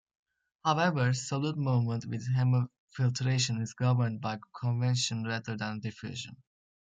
However, solute movement with hemofiltration is governed by convection rather than by diffusion.